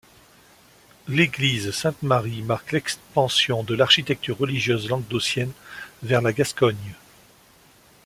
L'église Sainte-Marie marque l’expansion de l’architecture religieuse languedocienne vers la Gascogne.